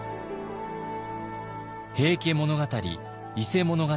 「平家物語」「伊勢物語」